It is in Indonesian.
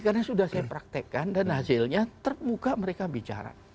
karena sudah saya praktekkan dan hasilnya terbuka mereka bicara